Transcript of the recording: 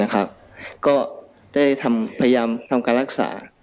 ก็ได้พยายามทำการรักษา